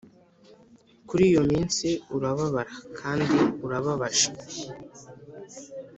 kuri iyo minsi urababara kandi urababaje